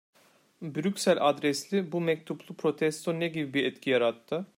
Brüksel adresli bu mektuplu protesto ne gibi bir etki yarattı?